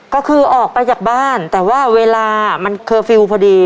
ก็คือออกไปจากบ้านแต่ว่าเวลามันเคอร์ฟิลล์พอดี